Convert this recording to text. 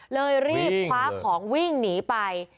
เลยรีบคว้าของวิ่งหนีไป